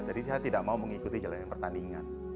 jadi saya tidak mau mengikuti jalan yang pertandingan